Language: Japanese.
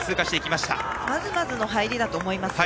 まずまずの入りだと思います。